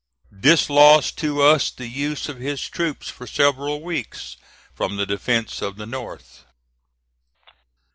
This lost to us the use of his troops for several weeks from the defence of the North.